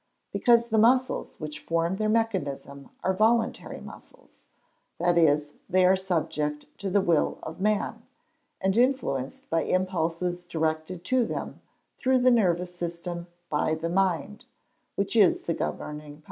_ Because the muscles which form their mechanism are voluntary muscles that is, they are subject to the will of man, and influenced by impulses directed to them through the nervous system by the mind, which is the governing power.